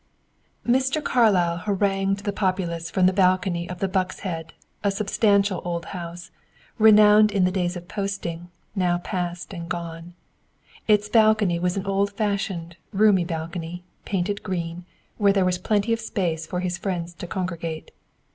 Mr. Carlyle harangued the populace from the balcony of the Buck's Head, a substantial old House, renowned in the days of posting, now past and gone. Its balcony was an old fashioned, roomy balcony, painted green, where there was plenty of space for his friends to congregate.